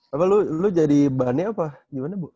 apa lu jadi bahannya apa gimana bu